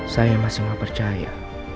saya masih mau percaya